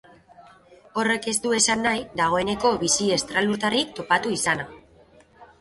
Horrek ez du esan nahi dagoeneko bizi estralurtarrik topatu izana.